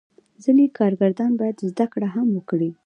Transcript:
ځینې کارګران باید زده کړه هم وکړي.